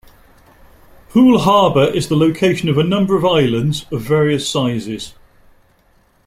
Poole Harbour is the location of a number of islands, of various sizes.